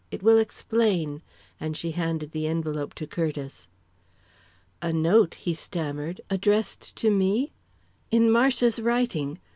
It will explain!" and she handed the envelope to Curtiss. "A note?" he stammered. "Addressed to me?" "In Marcia's writing.